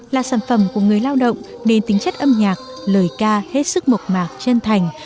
là sản phẩm của người lao động nền tính chất âm nhạc lời ca hết sức mộc mạc chân thành